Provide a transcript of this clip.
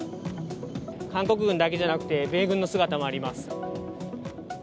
韓国軍だけじゃなくて、米軍の姿もあります。